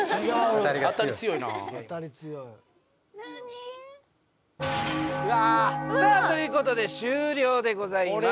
うわ！さあということで終了でございます